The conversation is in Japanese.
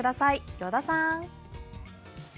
依田さん。